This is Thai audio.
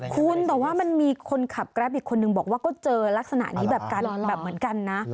คุณแต่ว่ามันมีคนขับแกรปอีกคนนึงบอกว่าก็เจอลักษณะนี้แบบกันแบบเหมือนกันนะ